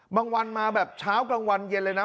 วันมาแบบเช้ากลางวันเย็นเลยนะ